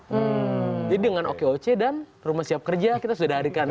jadi dengan okoc dan rumah siap kerja kita sudah diharikan